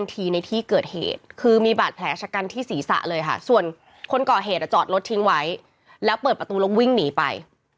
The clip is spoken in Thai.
คนก่อเหตุอะจอดรถทิ้งไว้แล้วเปิดประตูลงวิ่งหนีไป